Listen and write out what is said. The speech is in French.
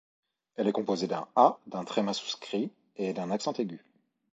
Elle est composée d’un A, d’un tréma souscrit et d’un accent aigu.